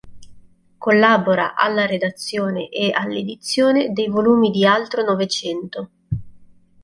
Collabora alla redazione e all’edizione dei volumi di "Altro Novecento.